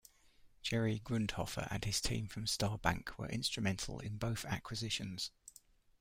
Jerry Grundhofer and his team from Star Banc were instrumental in both acquisitions.